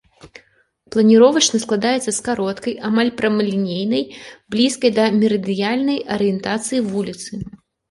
Планіровачна складаецца з кароткай, амаль прамалінейнай, блізкай да мерыдыянальнай арыентацыі вуліцы.